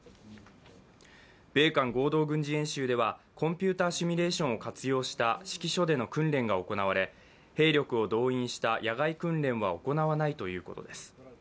米韓合同軍事演習ではコンピュータシュミレーションを活用した指揮所での訓練が行われ兵力を動員した野外訓練は行わないということです。